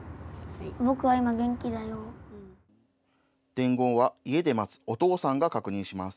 伝言は家で待つお父さんが確認します。